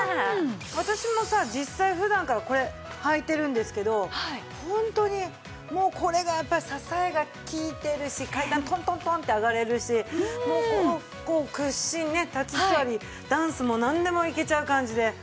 私もさ実際普段からこれはいてるんですけどホントにもうこれがやっぱり支えが利いてるし階段トントントンって上がれるしもうこう屈伸ね立ち座りダンスもなんでもいけちゃう感じで。